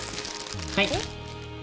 はい。